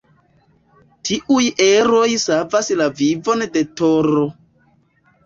Tiuj eroj savas la vivon de Toro.